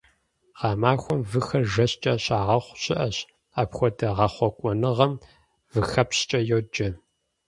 Гъэмахуэм выхэр жэщкӏэ щагъэхъу щыӏэщ, апхуэдэ гъэхъуэкӏуэныгъэм выхэпщкӏэ йоджэ.